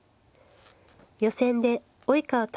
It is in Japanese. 予選で及川拓